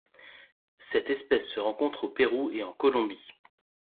Cette espèce se rencontre au Pérou et en Colombie.